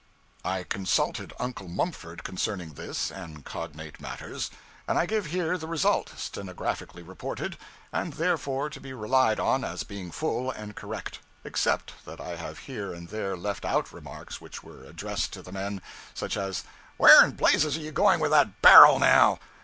I consulted Uncle Mumford concerning this and cognate matters; and I give here the result, stenographically reported, and therefore to be relied on as being full and correct; except that I have here and there left out remarks which were addressed to the men, such as 'where in blazes are you going with that barrel now?'